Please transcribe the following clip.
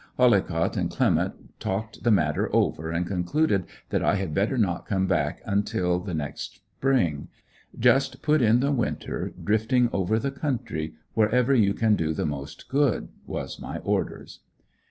Hollicott and Clement talked the matter over and concluded that I had better not come back until the next spring "just put in the winter drifting over the country, wherever you can do the most good," was my orders.